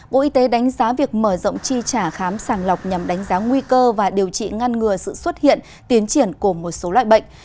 bộ y tế đánh giá việc mở rộng chi trả khám sàng lọc nhằm đánh giá nguy cơ và điều trị ngăn ngừa sự xuất hiện tiến triển của một số loại bệnh